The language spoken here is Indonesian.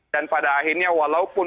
dan pada akhirnya walaupun